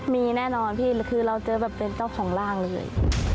มีแน่นอนพี่คือเราเจอแบบเป็นเจ้าของร่างเลย